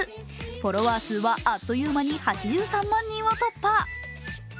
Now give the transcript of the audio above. フォロワー数はあっという間に８３万人を突破。